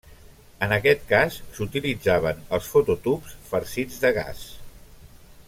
En aquest cas, s'utilitzaven els fototubs farcits de gas.